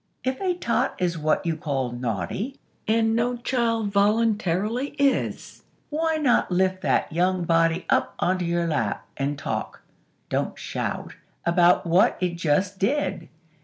_ If a tot is what you call naughty, (and no child voluntarily is,) why not lift that young body up onto your lap, and talk don't shout about what it just did?